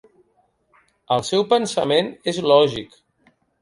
El seu pensament és lògic.